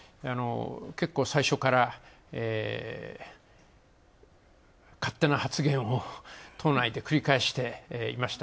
結構、最初から勝手な発言を党内で繰り返していました。